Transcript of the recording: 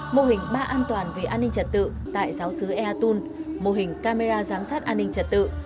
mô hình ba an toàn về an ninh trật tự tại giáo sứ ea tôn mô hình camera giám sát an ninh trật tự